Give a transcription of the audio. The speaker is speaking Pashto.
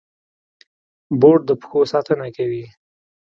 بوټ د پښو ساتنه کوي.